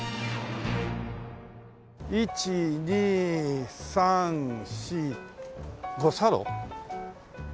１２３４五差路？